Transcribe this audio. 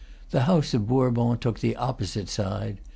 The house of Bourbon took the opposite side.